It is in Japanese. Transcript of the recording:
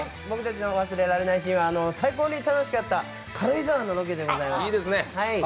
僕たちの忘れられないシーンは最高に楽しかった軽井沢のロケです。